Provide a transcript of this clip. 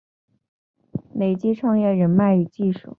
累积创业人脉与技术